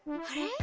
あれ？